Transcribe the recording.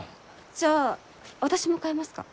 じゃあ私も買えますか？